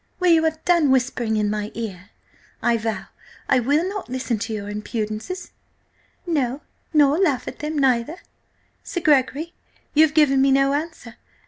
Will you have done whispering in my ear? I vow I will not listen to your impudences! No, nor laugh at them neither! Sir Gregory, you have given me no answer.